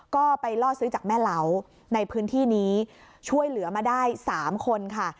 ก็ไปล่อซื้อจากแม่เหลาในพื้นที่นี้ช่วยเหลือมาได้๓คนค่ะ